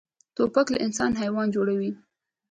توپک له انسان حیوان جوړوي.